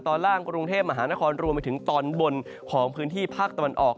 ตอนล่างกรุงเทพมหานครรวมไปถึงตอนบนของพื้นที่ภาคตะวันออก